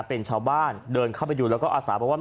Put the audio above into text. เป็นชาวบ้านเดินเข้าไปดูแล้วก็อาสาบอกว่า